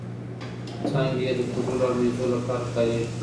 څانګې یې د کوډلو او مېزو لپاره کارېږي.